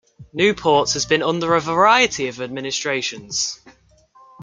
Newport has been under a variety of administrations.